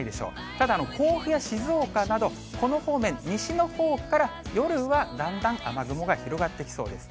ただ、甲府や静岡など、この方面、西のほうから夜はだんだん雨雲が広がってきそうです。